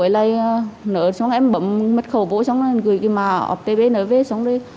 lại nở xong em bấm mất khẩu vô xong rồi gửi cái mào tpnv xong rồi